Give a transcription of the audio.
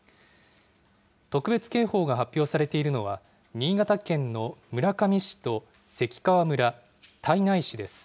特別警報が発表されているのは、新潟県の村上市と関川村、胎内市です。